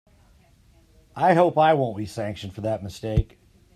I hope I won't be sanctioned for that mistake.